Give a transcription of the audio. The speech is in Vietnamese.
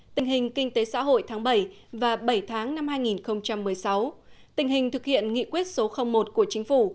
tình hình kinh tế xã hội tháng bảy và bảy tháng năm hai nghìn một mươi sáu tình hình thực hiện nghị quyết số một của chính phủ